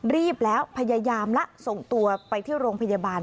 รีบแล้วพยายามละส่งตัวไปที่โรงพยาบาล